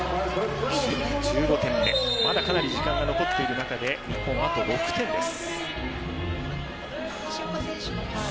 １５点目、まだかなり時間が残っている中で日本、あと６点です。